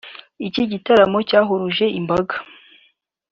Iki gitaramo cyahuruje imbaga